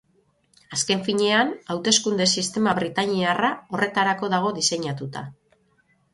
Azken finean, hauteskunde-sistema britainiarra horretarako dago diseinatuta.